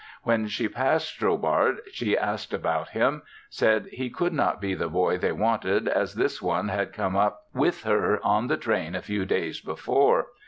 When she passed Strobhart, she asked about him; said he could not be the boy they wanted as this one had come up with her on the train a few days before.